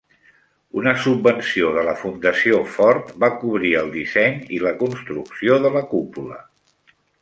Una subvenció de la Fundació Ford va cobrir el disseny i la construcció de la cúpula.